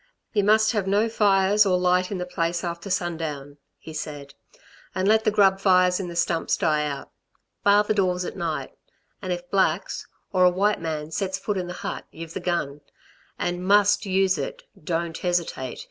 "You must have no fires or light in the place after sundown," he said, "and let the grub fires in the stumps die out. Bar the doors at night. And if blacks, or a white man sets foot in the hut y've the gun. And must use it! Don't hesitate.